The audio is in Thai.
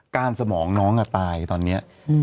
้านสมองน้องตายตอนนี้